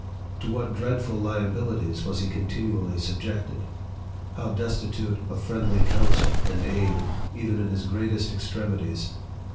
to what dreadful liabilities was he continually subjected ! how destitute of friendly counsel and aid, even in his greatest extremities